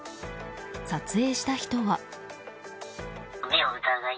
撮影した人は。